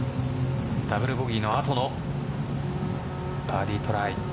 ダブルボギーの後のバーディートライ。